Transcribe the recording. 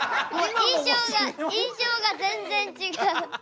印象が全然違う。